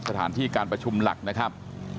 สถานที่การประชุมหลักนะครับ